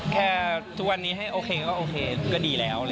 แค่ทุกวันนี้ให้โอเคก็โอเคก็ดีแล้ว